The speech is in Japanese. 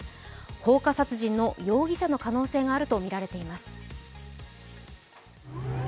放火殺人の容疑者の可能性があるとみられています。